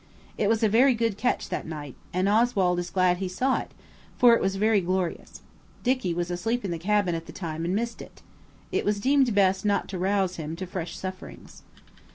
It was a very good catch that night, and Oswald is glad he saw it, for it was very glorious. Dicky was asleep in the cabin at the time and missed it. It was deemed best not to rouse him to fresh sufferings.